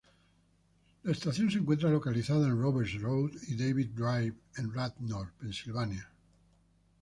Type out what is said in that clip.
La estación se encuentra localizada en Roberts Road y David Drive en Radnor, Pensilvania.